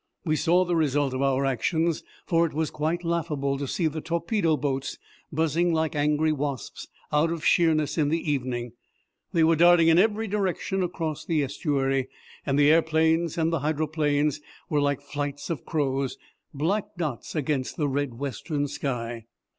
We saw the result of our actions, for it was quite laughable to see the torpedo boats buzzing like angry wasps out of Sheerness in the evening. They were darting in every direction across the estuary, and the aeroplanes and hydroplanes were like flights of crows, black dots against the red western sky.